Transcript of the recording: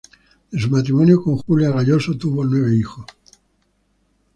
De su matrimonio con Julia Gayoso tuvo nueve hijos.